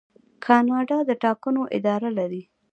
کاناډا د ټاکنو اداره لري.